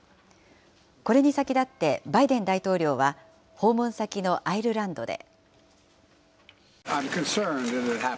これに先立って、バイデン大統領は訪問先のアイルランドで。